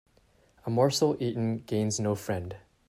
A morsel eaten gains no friend